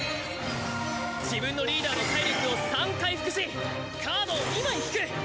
自分のリーダーの体力を３回復しカードを２枚引く。